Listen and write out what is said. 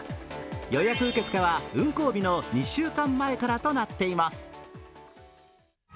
予約受け付けは運行日の２週間前からとなっています。